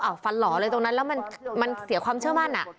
ฟันหล่อเลยตรงนั้นแล้วมันเสียความเชื่อมั่นอ่ะ